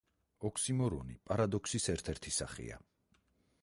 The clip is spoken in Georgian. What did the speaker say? ოქსიმორონი პარადოქსის ერთ-ერთი სახეა.